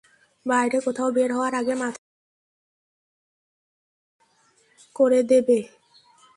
বাইরে কোথাও বের হওয়ার আগে মাথায় হাত বুলিয়ে আদর করে দেবে।